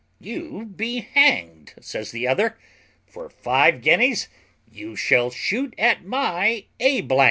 "You be hanged," says the other; "for five guineas you shall shoot at my a